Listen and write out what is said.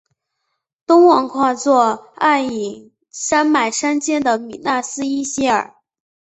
东望跨坐黯影山脉山肩的米那斯伊希尔。